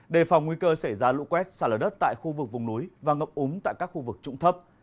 đề phòng nguy cơ xảy ra lũ quét xả lở đất tại khu vực vùng núi và ngập úng tại các khu vực trụng thấp